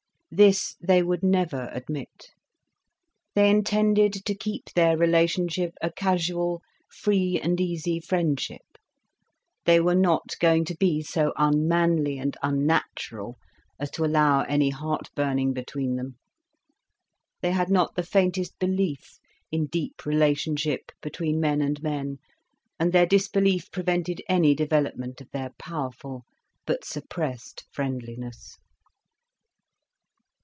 This they would never admit. They intended to keep their relationship a casual free and easy friendship, they were not going to be so unmanly and unnatural as to allow any heart burning between them. They had not the faintest belief in deep relationship between men and men, and their disbelief prevented any development of their powerful but suppressed friendliness.